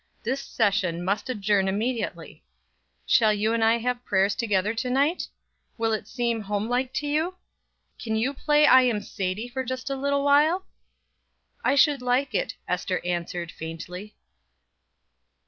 This session must adjourn immediately. Shall you and I have prayers together to night? Will it seem homelike to you? Can you play I am Sadie for just a little while?" "I should like it," Ester answered faintly.